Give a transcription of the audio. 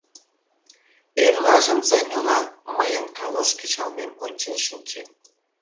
Эрлажым Зайнола мыйын калош кычалмем ончен шинчен.